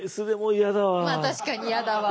まあ確かに嫌だわ。